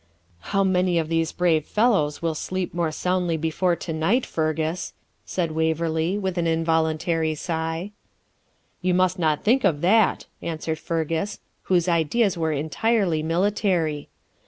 'How many of these brave fellows will sleep more soundly before to morrow night, Fergus!' said Waverley, with an involuntary sigh. 'You must notthink of that,' answered Fergus, whose ideas were entirely military.